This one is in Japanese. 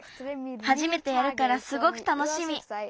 はじめてやるからすごくたのしみ。